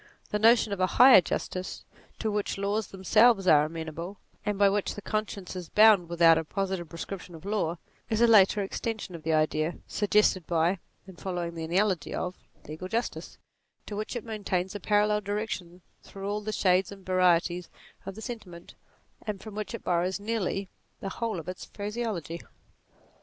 The notion of a higher justice, to which laws themselves are amenable, and by which the conscience is bound with out a positive prescription of law, is a later extension of the idea, suggested by, and following the analogy NATURE 53 of, legal justice, to which it maintains a parallel direction through all the shades and varieties of the sentiment, and from which it borrows nearly the whole of its phraseology.